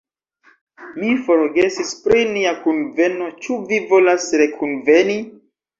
"Mi forgesis pri nia kunveno, ĉu vi volas rekunveni?"